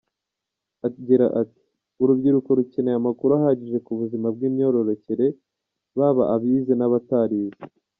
Agira ati “Urubyiruko rukeneye amakuru ahagije ku buzima bw’imyororokere, baba abize n’abatarize.